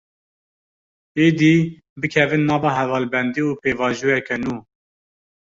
Êdî, bikevin nava hevalbendî û pêvajoyeke nû